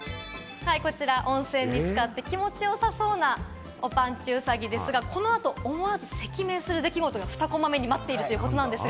温泉に浸かって気持ち良さそうなおぱんちゅうさぎですが、この後、思わず赤面する出来事が２コマ目に待っているということです。